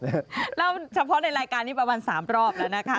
เล่าเฉพาะในรายการนี้ประมาณ๓รอบแล้วนะคะ